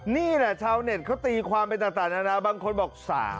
นี่แหละชาวเน็ตเขาตีความไปต่างนานาบางคนบอก